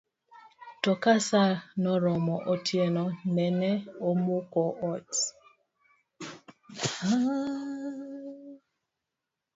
To ka saa noromo, otieno nene omuko ot